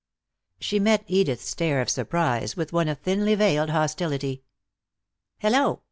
She met Edith's stare of surprise with one of thinly veiled hostility. "Hello!"